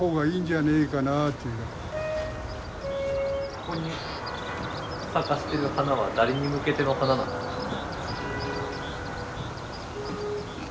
ここに咲かせてる花は誰に向けての花なんですか？